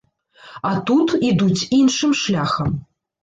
А тут ідуць іншым шляхам.